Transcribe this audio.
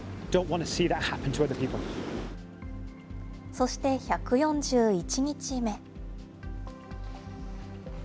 そして１４１日目。